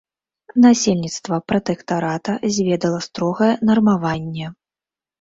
Насельніцтва пратэктарата зведала строгае нармаванне.